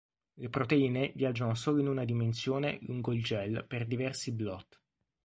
Le proteine viaggiano solo in una dimensione lungo il gel per diversi blot.